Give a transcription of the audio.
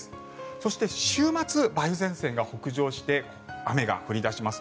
そして、週末梅雨前線が北上して雨が降り出します。